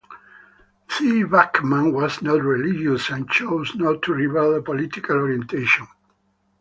Thea Beckman was not religious and chose not to reveal a political orientation.